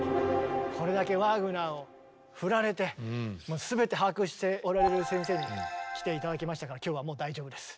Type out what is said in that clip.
これだけワーグナーを振られてもう全て把握しておられる先生に来て頂きましたから今日はもう大丈夫です。